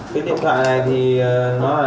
cái điện thoại này là điện thoại gắn chip ở bên trong